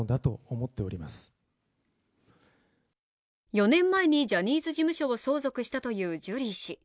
４年前にジャニーズ事務所を相続したというジュリー氏。